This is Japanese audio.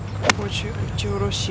打ち下ろし。